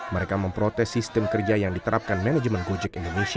mereka memprotes sistem kerja yang diterapkan manajemen gojek indonesia